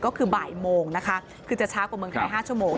ก็คือบ่ายโมงนะคะคือจะช้ากว่าเมืองไทย๕ชั่วโมง